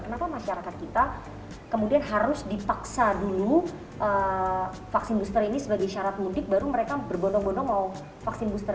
kenapa masyarakat kita kemudian harus dipaksa dulu vaksin booster ini sebagai syarat mudik baru mereka berbondong bondong mau vaksin booster